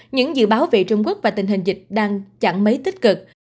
những dự báo về trung quốc và tình hình dịch đang chẳng mấy tích cực